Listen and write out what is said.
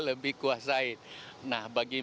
lebih kuasai nah bagi